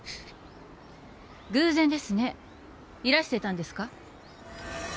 偶然ですねいらしてたんですか？